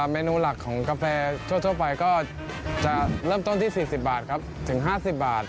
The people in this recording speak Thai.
เมนูหลักของกาแฟทั่วไปก็จะเริ่มต้นที่๔๐บาทครับถึง๕๐บาท